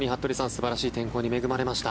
素晴らしい天候に恵まれました。